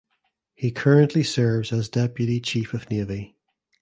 He currently serves as Deputy Chief of Navy.